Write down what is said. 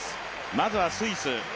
まずはスイス。